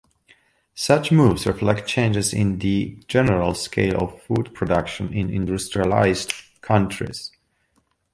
Such moves reflect changes in the general scale of food production in industrialised countries.